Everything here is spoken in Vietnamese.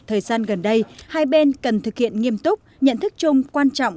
thời gian gần đây hai bên cần thực hiện nghiêm túc nhận thức chung quan trọng